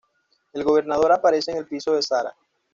El gobernador aparece en el piso de "Sara".